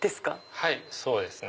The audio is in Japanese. はいそうですね。